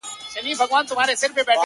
زورور له زورور څخه ډارېږي!.